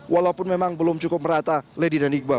walaupun memang belum cukup merata lady dan iqbal